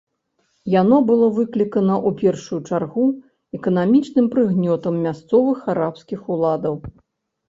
Яно было выклікана ў першую чаргу эканамічным прыгнётам мясцовых арабскіх уладаў.